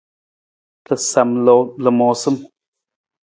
Rasam lamoosam.